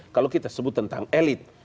kalau kita sebut tentang elit